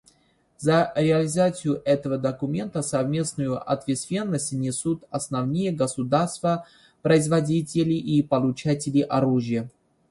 За реализацию этого документа совместную ответственность несут основные государства-производители и получатели оружия.